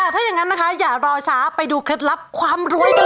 ถ้าอย่างนั้นนะคะอย่ารอช้าไปดูเคล็ดลับความรวยกันเลย